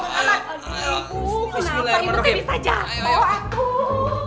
kenapa ibu ibutnya bisa jatuh antu